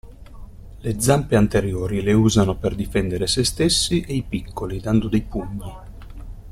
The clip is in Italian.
Le zampe anteriori le usano per difendere sé stessi e i piccoli dando dei pugni.